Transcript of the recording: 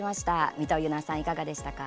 みとゆなさん、いかがでしたか？